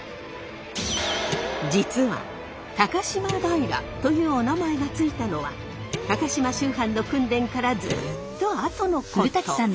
実は高島平というおなまえがついたのは高島秋帆の訓練からずっと後のこと。